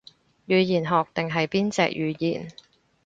語言學定係邊隻語言